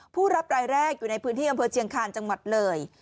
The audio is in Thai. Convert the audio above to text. ผู้รับรายแรกอยู่ในพื้นที่อำเภอเชียงคาญจังหวัดเลย